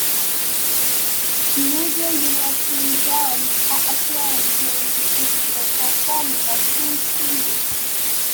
Major European bands are appearing during the festival, performing on two stages.